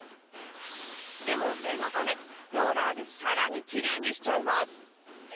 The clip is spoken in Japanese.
でも念のためローラーでさらにきれいにしちゃいます